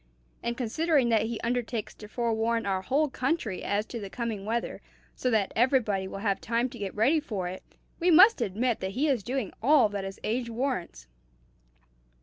And considering that he undertakes to forewarn our whole country as to the coming weather, so that everybody will have time to get ready for it, we must admit that he is doing all that his age warrants."